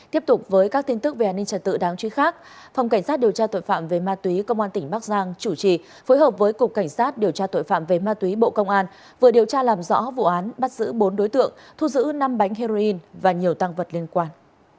tiếp tục với các tin tức về an ninh trật tự đáng chú ý khác phòng cảnh sát điều tra tội phạm về ma túy công an tỉnh bắc giang chủ trì phối hợp với cục cảnh sát điều tra tội phạm về ma túy bộ công an vừa điều tra làm rõ vụ án bắt giữ bốn đối tượng thu giữ năm bánh heroin và nhiều tăng vật liên quan